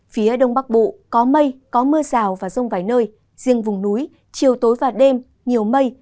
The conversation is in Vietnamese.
phía đông bắc bộ có mây có mưa rào và rông vài nơi riêng vùng núi chiều tối và đêm nhiều mây